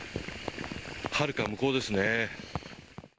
はるか向こうですね。